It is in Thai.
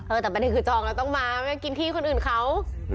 เออแต่เป็นที่คือจองแล้วต้องมาไม่กินที่คนอื่นเขา